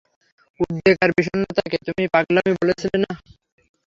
উদ্বেগ আর বিষন্নতাকে তুমি পাগলামি বলেছিলে, না?